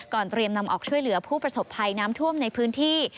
เตรียมนำออกช่วยเหลือผู้ประสบภัยน้ำท่วมในพื้นที่